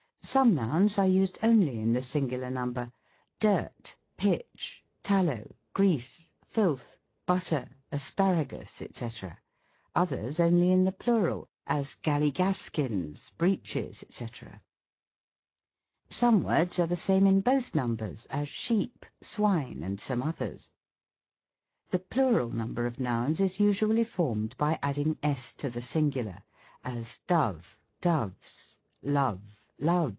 Some nouns are used only in the singular nurnber; dirt, pitch, tallow, grease, filth, butter, asparagus, &c.; others only in the plural ; as, galligaskins, breeches, &c , Some words are the same in both numbers; a& sheep, swine, and some others. The plural number of nouns is usually formed b] adding s to the singular; as, dove, doves, love, love.>